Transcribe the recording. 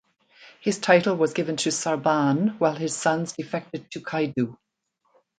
His title was given to Sarban while his sons defected to Kaidu.